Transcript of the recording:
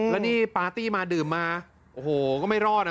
แล้วนี่ปาร์ตี้มาดื่มมาโอ้โหก็ไม่รอดอ่ะ